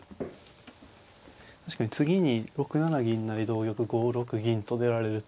確かに次に６七銀成同玉５六銀と出られると。